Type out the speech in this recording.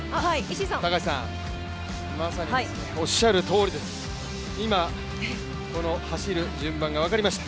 まさにおっしゃるとおりです、今この走る順番が分かりました。